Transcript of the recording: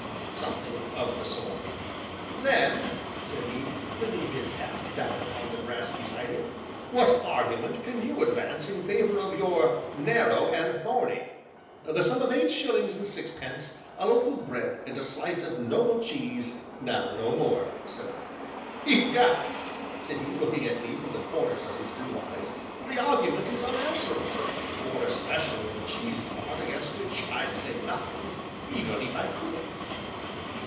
"Something of the sort." "Then," said he, flinging his hat down upon the grass beside him, "what argument can you advance in favor of your 'Narrow and Thorny'?" "The sum of eight shillings and sixpence, a loaf of bread, and a slice of noble cheese, now no more," said I. "Egad!" said he, looking at me from the corners of his blue eyes, "the argument is unanswerable, more especially the cheese part, against which I'd say nothing, even if I could."